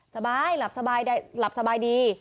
สบายหลับสบายดี